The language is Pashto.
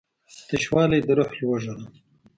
تشوالی د روح لوږه ده.